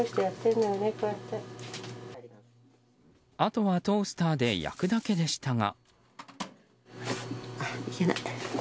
あとはトースターで焼くだけでしたが。